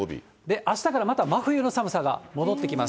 あしたからまた真冬の寒さが戻ってきます。